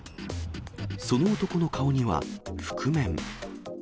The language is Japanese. その男の顔には覆面。